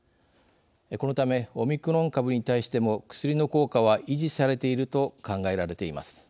このためオミクロン株に対しても薬の効果は維持されていると考えられています。